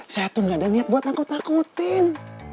saya tuh gak ada niat buat nakut nakutin